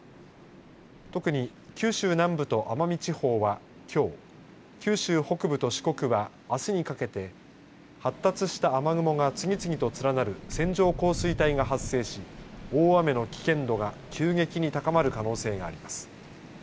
特に九州南部と奄美地方はきょう九州北部と四国はあすにかけて発達した雨雲が次々と連なる線状降水帯が発生し大雨の危険度が急激に高まる可能性があります。